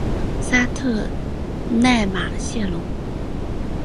沙特奈马谢龙。